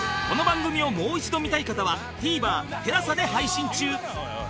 この番組をもう一度見たい方は ＴＶｅｒＴＥＬＡＳＡ で配信中